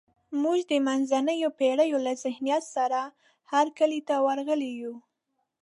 موږ د منځنیو پېړیو له ذهنیت سره هرکلي ته ورغلي یو.